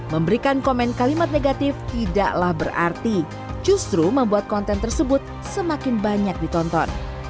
memberikan komen kalimat negatif tidaklah berarti justru membuat konten tersebut semakin banyak ditonton